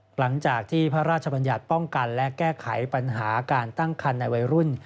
หลังจากที่พระราชบัญญัติป้องกันและแก้ไขปัญหาการตั้งคันในวัยรุ่น